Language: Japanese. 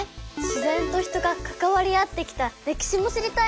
自然と人がかかわり合ってきた歴史も知りたいわ。